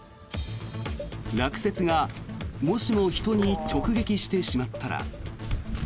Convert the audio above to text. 落雪がもしも人に直撃してしまったら。